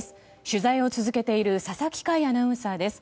取材を続けている佐々木快アナウンサーです。